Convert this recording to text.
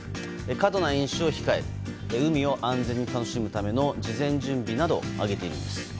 過度な飲酒を控える海を安全に楽しむための事前準備などを挙げているんです。